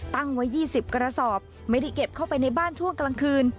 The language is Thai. ตั้งไว้๒๐กระสอบไม่ได้เก็บเข้าไปในบ้านช่วงกลางคืน